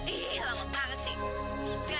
ih lama banget sih